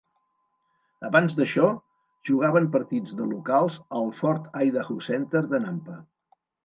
Abans d'això, jugaven partits de locals al Ford Idaho Center de Nampa.